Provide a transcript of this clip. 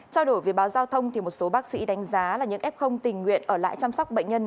trao đổi với báo giao thông một số bác sĩ đánh giá là những f tình nguyện ở lại chăm sóc bệnh nhân